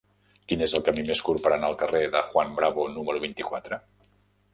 Quin és el camí més curt per anar al carrer de Juan Bravo número vint-i-quatre?